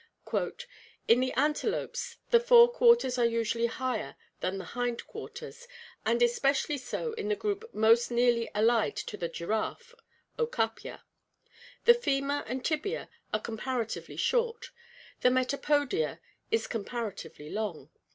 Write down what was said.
"In the antelopes the fore quarters are usually higher than the hind quarters, and especially so in the group most nearly allied to the giraffe [Okapia]. The femur and tibia are comparatively short, the metapodials comparatively long.